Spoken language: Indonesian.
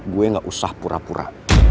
gue gak usah pura pura